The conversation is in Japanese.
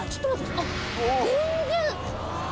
あっ全然！